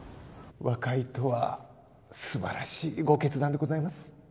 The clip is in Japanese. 和解とは素晴らしいご決断でございます。